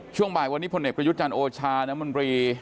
ช่วงบ่ายวันนี้พลเอกประยุทธ์จันทร์โอชาน้ำมนตรี